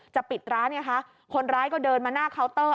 ปิดร้านไงคะคนร้ายก็เดินมาหน้าเคาน์เตอร์